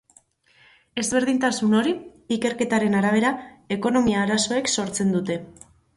Ezberdintasun hori, ikerketaren arabera, ekonomia arazoek sortzen dute.